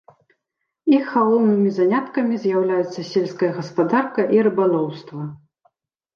Іх галоўнымі заняткамі з'яўляюцца сельская гаспадарка і рыбалоўства.